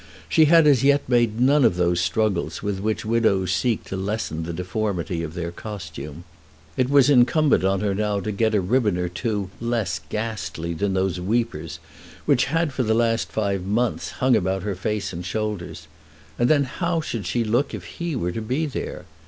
She had as yet made none of those struggles with which widows seek to lessen the deformity of their costume. It was incumbent on her now to get a ribbon or two less ghastly than those weepers which had, for the last five months, hung about her face and shoulders. And then how should she look if he were to be there?